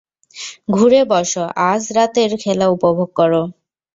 ঘুরে বস আর আজ রাতের খেলা উপভোগ কর।